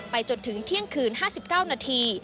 จนถึงเที่ยงคืน๕๙นาที